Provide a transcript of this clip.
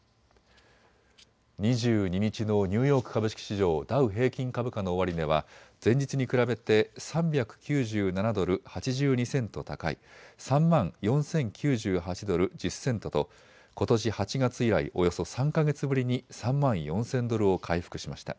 ２２日のニューヨーク株式市場ダウ平均株価の終値は前日に比べて３９７ドル８２セント高い３万４０９８ドル１０セントとことし８月以来およそ３か月ぶりに３万４０００ドルを回復しました。